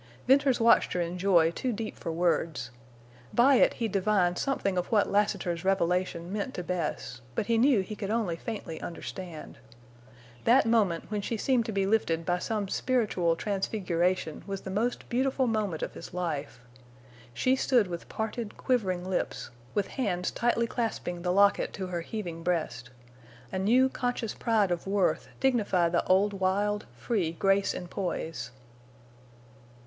Venters watched her in joy too deep for words. By it he divined something of what Lassiter's revelation meant to Bess, but he knew he could only faintly understand. That moment when she seemed to be lifted by some spiritual transfiguration was the most beautiful moment of his life. She stood with parted, quivering lips, with hands tightly clasping the locket to her heaving breast. A new conscious pride of worth dignified the old wild, free grace and poise.